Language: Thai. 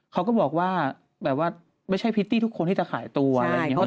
เขาก็บอกว่าแบบว่าไม่ใช่พริตตี้ทุกคนที่จะขายตัวอะไรอย่างนี้